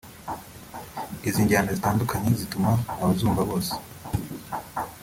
Izi njyana zitandukanye zituma abazumva bose